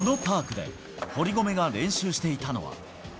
このパークで堀米が練習していたのは。